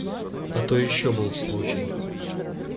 А то ещё был случай.